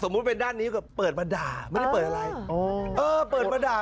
สมมุติเป็นด้านนี้ก็เปิดมาด่าไม่ได้เปิดอะไร